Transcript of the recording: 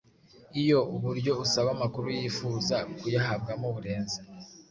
Iyo uburyo usaba amakuru yifuza kuyahabwamo burenze